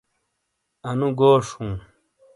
انو گوش ہوں